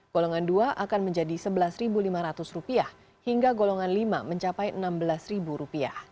golongan dua akan menjadi rp sebelas lima ratus hingga golongan lima mencapai rp enam belas